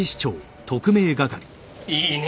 いいね